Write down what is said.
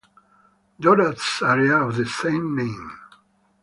Dora's area of the same name.